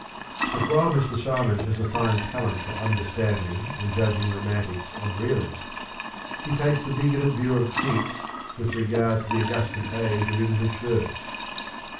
But while Mr. Symons has a fine talent for understanding and judging Romantics and Realists, he takes the bigoted view of Keats with regard to the Augustan Age of English verse.